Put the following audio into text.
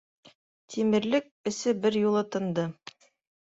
Тимерлек эсе бер юлы тынды.